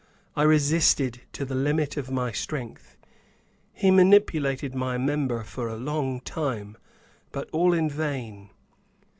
I resisted to the limit of my strength. He manipulated my member for a long time, but all in vain.